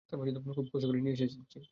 খুব কষ্ট করে নিয়ে এসেছি।